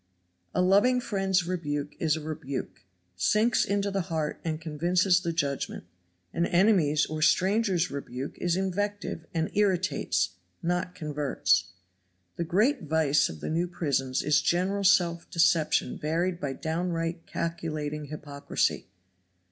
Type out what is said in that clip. A loving friend's rebuke is a rebuke sinks into the heart and convinces the judgment; an enemy's or stranger's rebuke is invective and irritates not converts. The great vice of the new prisons is general self deception varied by downright calculating hypocrisy.